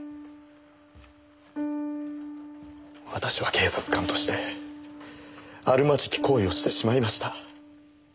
私は警察官としてあるまじき行為をしてしまいました。